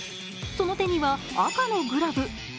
その手には赤のグラブ。